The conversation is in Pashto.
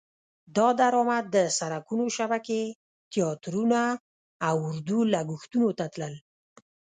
دا درامد د سرکونو شبکې، تیاترونه او اردو لګښتونو ته تلل.